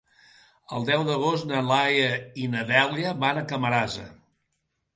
El deu d'agost na Laia i na Dèlia van a Camarasa.